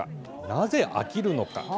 なぜ飽きるのか？